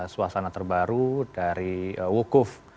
suasana terbaru dari bukuf